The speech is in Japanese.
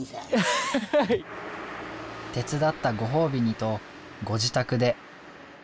手伝ったご褒美にとご自宅で。